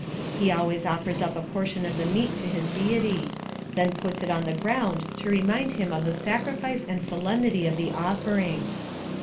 He always offers up a portion of the meat to his deity, then puts it on the ground to remind him of the sacrifice and solemnity of the offering.